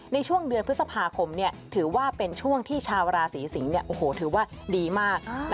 ในช่วงเดือนพฤษภาคมถือว่าเป็นช่วงที่ชาวราศีสิงศ์ถือว่าดีมาก